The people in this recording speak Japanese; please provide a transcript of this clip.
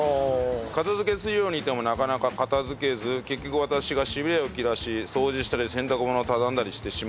片付けするように言ってもなかなか片付けず結局私がしびれを切らし掃除したり洗濯物を畳んだりしてしまいます。